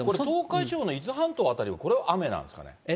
東海地方の伊豆半島辺りもこれは雨なんですかね？